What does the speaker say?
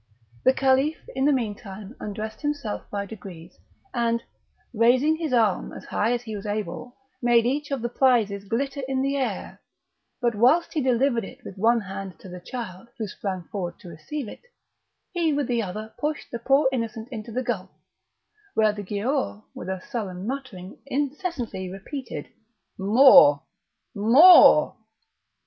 The Caliph in the meantime undressed himself by degrees, and, raising his arm as high as he was able, made each of the prizes glitter in the air; but whilst he delivered it with one hand to the child, who sprang forward to receive it, he with the other pushed the poor innocent into the gulf, where the Giaour, with a sullen muttering, incessantly repeated, "More! more!"